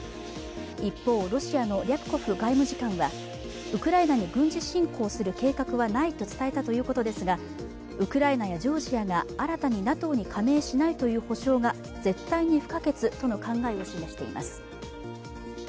一方、ロシアのリャプコフ外務次官はウクライナに軍事侵攻をする計画はないと伝えたということですがウクライナやジョージアが新たにＮＡＴＯに加盟しないという保証が絶対に不可欠との考えを示しています。